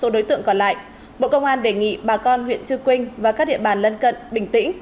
đối tượng còn lại bộ công an đề nghị bà con huyện cư quyên và các địa bàn lân cận bình tĩnh